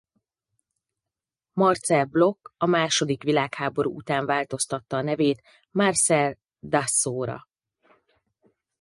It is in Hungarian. Marcel Bloch a második világháború után változtatta a nevét Marcel Dassault-ra.